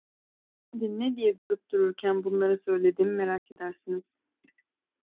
Şimdi ne diye durup dururken bunları söylediğimi merak edersiniz…